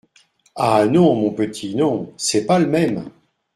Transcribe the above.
Ah ! non, mon petit ! non ! c'est pas le même !